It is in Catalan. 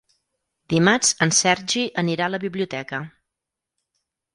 Dimarts en Sergi anirà a la biblioteca.